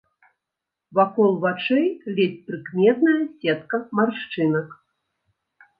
Вакол вачэй ледзь прыкметная сетка маршчынак.